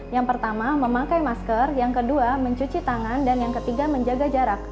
yang pertama memakai masker yang kedua mencuci tangan dan yang ketiga menjaga jarak